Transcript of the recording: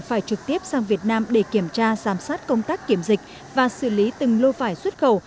phải trực tiếp sang việt nam để kiểm tra giám sát công tác kiểm dịch và xử lý từng lô vải xuất khẩu